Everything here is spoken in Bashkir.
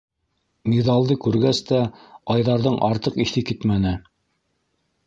Миҙалды күргәс тә Айҙарҙың артыҡ иҫе китмәне.